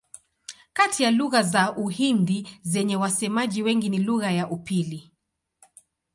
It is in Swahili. Kati ya lugha za Uhindi zenye wasemaji wengi ni lugha ya pili.